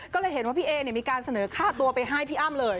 ก็เลยเห็นว่าพี่เอมีการเสนอค่าตัวไปให้พี่อ้ำเลย